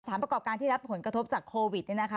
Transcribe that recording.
ประกอบการที่รับผลกระทบจากโควิด